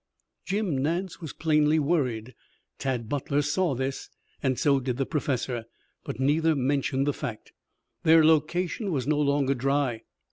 Jim Nance was plainly worried. Tad Butler saw this and so did the Professor, but neither mentioned the fact. Their location was no longer dry.